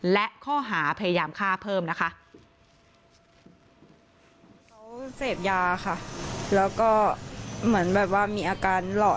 และข้อหาพยายามฆ่าเพิ่มนะคะ